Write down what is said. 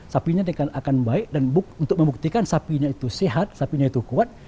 sapinya akan baik dan untuk membuktikan sapinya itu sehat sapinya itu kuat